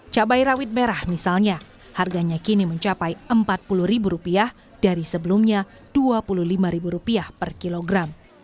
cabai rawit merah misalnya harganya kini mencapai rp empat puluh dari sebelumnya rp dua puluh lima per kilogram